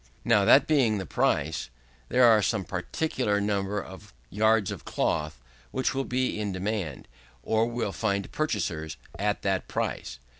Now, that being the price, there is some particular number of yards of cloth, which will be in demand, or will find purchasers, at that price.